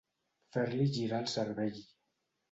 Fer-li girar el cervell.